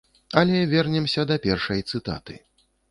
Але вернемся да першай цытаты.